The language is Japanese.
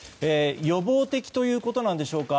予防的ということなんでしょうか